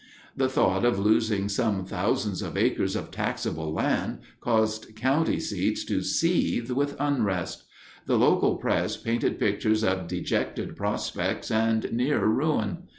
The thought of losing some thousands of acres of taxable land caused county seats to seethe with unrest. The local press painted pictures of dejected prospects and near ruin.